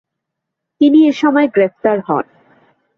তিনি এসময় গ্রেফতার হন।